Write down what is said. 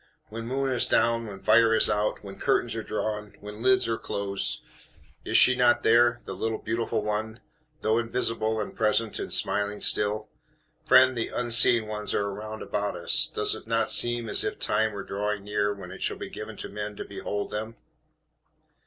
When moon is down, when fire is out, when curtains are drawn, when lids are closed, is she not there, the little Beautiful One, though invisible, present and smiling still? Friend, the Unseen Ones are round about us. Does it not seem as if the time were drawing near when it shall be given to men to behold them?"